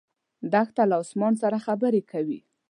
دښته له اسمان سره خبرې کوي.